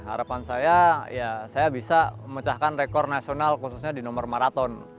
harapan saya ya saya bisa memecahkan rekor nasional khususnya di nomor maraton